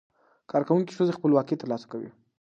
کارکوونکې ښځې خپلواکي ترلاسه کوي.